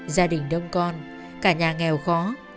gia đình đông con cả nhà nghèo khó